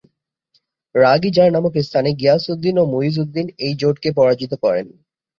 রাগ-ই jar নামক স্থানে গিয়াসউদ্দিন ও মুইজউদ্দিন এই জোটকে পরাজিত করেন।